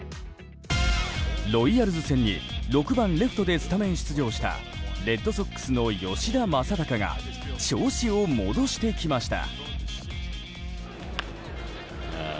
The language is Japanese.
ロイヤルズ戦に６番レフトでスタメン出場したレッドソックスの吉田正尚が調子を戻してきました。